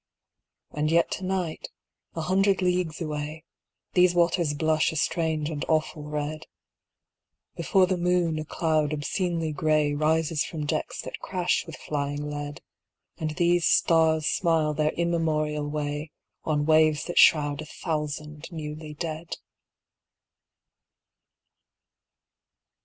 And yet to night, a hundred leagues away, These waters blush a strange and awful red. Before the moon, a cloud obscenely grey Rises from decks that crash with flying lead. And these stars smile their immemorial way On waves that shroud a thousand newly dead!